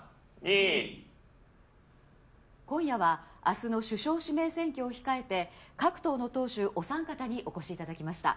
今夜は明日の首相指名選挙を控えて各党の党首お三方にお越し頂きました。